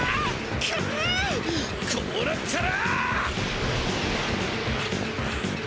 くうこうなったら。